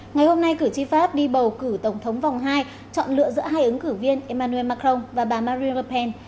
ngày hôm nay cử tri pháp đi bầu cử tổng thống vòng hai chọn lựa giữa hai ứng cử viên emmanuel macron và bà marie le pen